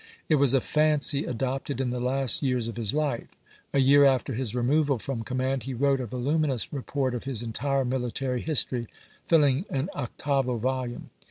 It was a fancy adopted in the last years of his life. A year after his removal from command he wrote a voluminous report of his entire miUtary history, filling an octavo volume.